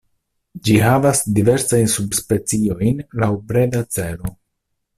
Ĝi havas diversajn subspeciojn laŭ breda celo.